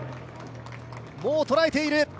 もう捉えている。